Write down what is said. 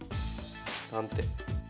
３手。